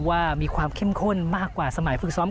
ว่ามีความเข้มข้นมากกว่าสมัยฝึกซ้อม